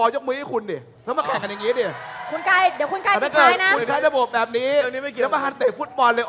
แต่ไม่มีตามแบบนั้นไปนะขับไปทางนู้งแล้ว